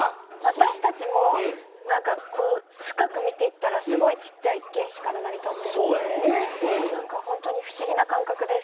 私たちも何かこう深く見ていったらすごいちっちゃい原子から成り立ってるんで何か本当に不思議な感覚です。